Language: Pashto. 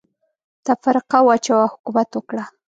تفرقه واچوه ، حکومت وکړه.